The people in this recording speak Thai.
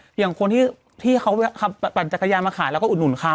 อย่างคนที่ที่เขาไปขับขับปั่นจักรยามาขายแล้วก็อุดหนุนเขา